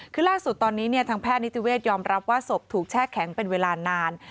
คือล่าสุดตอนนี้ทางแพทย์นิติเวทยอมรับว่าศพถูกแช่แข็งเป็นเวลานาน